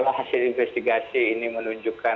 kita kalau hasil investigasi ini menunjukkan